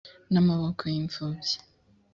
n amaboko y imfubyi